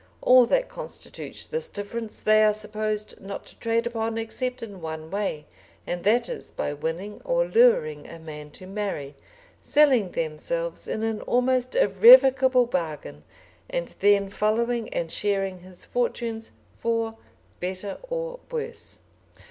All that constitutes this difference they are supposed not to trade upon except in one way, and that is by winning or luring a man to marry, selling themselves in an almost irrevocable bargain, and then following and sharing his fortunes for "better or worse."